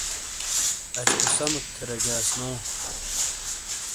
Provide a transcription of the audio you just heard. اش تو سمیک تھے رجیاس نو